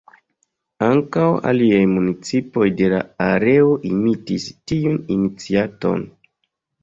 Ankaŭ aliaj municipoj de la areo imitis tiun iniciaton.